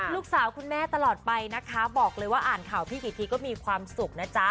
คุณแม่ตลอดไปนะคะบอกเลยว่าอ่านข่าวพี่กี่ทีก็มีความสุขนะจ๊ะ